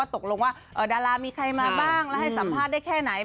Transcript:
ตกลงว่าดารามีใครมาบ้างแล้วให้สัมภาษณ์ได้แค่ไหน